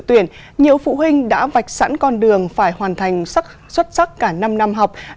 tuyển nhiều phụ huynh đã vạch sẵn con đường phải hoàn thành xuất sắc cả năm năm học